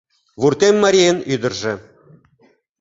Вуртем марийын ӱдыржӧ